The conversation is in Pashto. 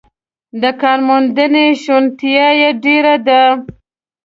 د کارموندنې شونتیا یې ډېره ده.